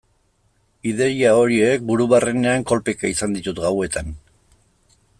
Ideia horiek buru barrenean kolpeka izan ditut gauetan.